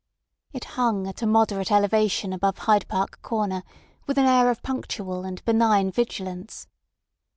It hung at a moderate elevation above Hyde Park Corner with an air of punctual and benign vigilance.